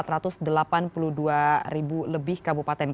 ribu lebih kabupaten